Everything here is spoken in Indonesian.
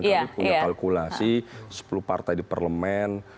kami punya kalkulasi sepuluh partai di parlemen